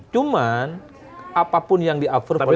cuma apapun yang diaverbole